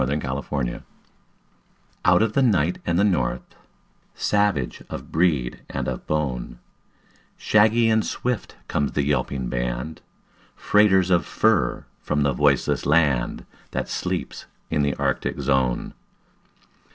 THE TRAIN DOGS Out of the night and the north; Savage of breed and of bone, Shaggy and swift comes the yelping band, Freighters of fur from the voiceless land That sleeps in the Arctic zone.